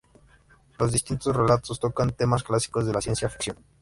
Los distintos relatos tocan temas clásicos de la ciencia ficción.